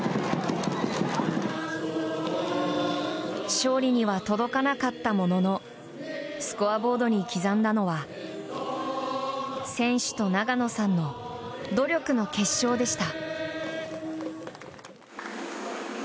勝利には届かなかったもののスコアボードに刻んだのは選手と永野さんの努力の結晶でした。